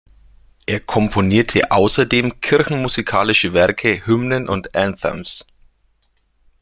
Er komponierte außerdem kirchenmusikalische Werke, Hymnen und Anthems.